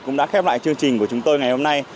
cũng đã khép lại chương trình của chúng tôi ngày hôm nay